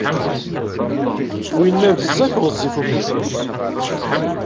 Winna, bezzaf ɣezzif ufus-is.